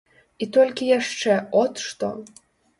І толькі яшчэ от што.